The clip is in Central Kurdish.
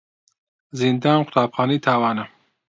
زیندان قوتابخانەی تاوانە.